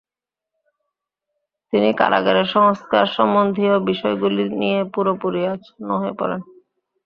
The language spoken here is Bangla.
তিনি কারাগার সংস্কার সম্বন্ধীয় বিষয়গুলি নিয়ে পুরোপুরি আচ্ছন্ন হয়ে পড়েন।